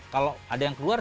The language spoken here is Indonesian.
kalau ada yang keluar